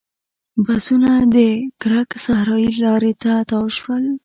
بسونه د کرک صحرایي لارې ته تاو شول.